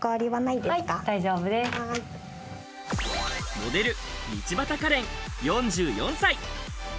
モデル・道端カレン、４４歳。